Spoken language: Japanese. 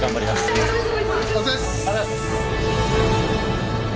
ありがとうございます。